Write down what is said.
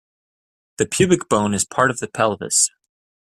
The pubic bone is part of the pelvis.